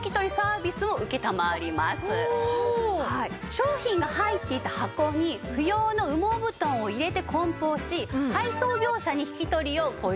商品が入っていた箱に不要な羽毛布団を入れて梱包し配送業者に引き取りをご依頼ください。